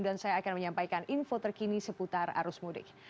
dan saya akan menyampaikan info terkini seputar arus mudik